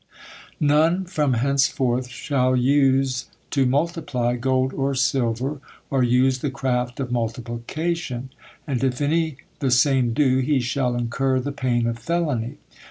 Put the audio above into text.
"None from henceforth shall use to multiply gold or silver, or use the craft of multiplication; and if any the same do, he shall incur the pain of felony."